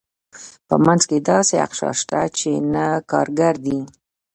په منځ کې داسې اقشار شته چې نه کارګر دي.